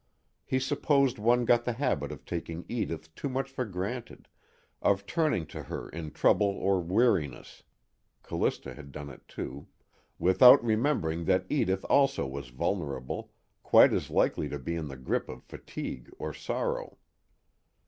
He supposed one got the habit of taking Edith too much for granted, of turning to her in trouble or weariness (Callista had done it too) without remembering that Edith also was vulnerable, quite as likely to be in the grip of fatigue or sorrow.